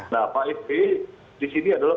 nah pak sby di sini adalah